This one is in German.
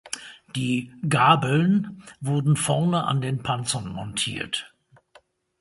Die „Gabeln“ wurden vorne an den Panzern montiert.